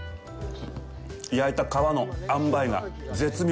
焼いた皮のあんばいが絶妙！